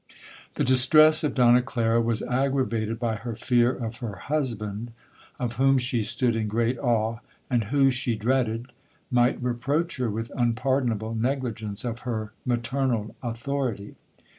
'The distress of Donna Clara was aggravated by her fear of her husband, of whom she stood in great awe, and who, she dreaded, might reproach her with unpardonable negligence of her maternal authority.